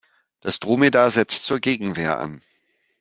Das Dromedar setzt zur Gegenwehr an.